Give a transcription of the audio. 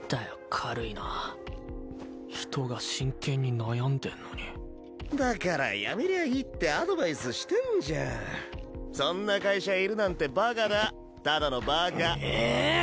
軽いな人が真剣に悩んでんのにだから辞めりゃいいってアドバイスしそんな会社いるなんてバカだただのバカうう！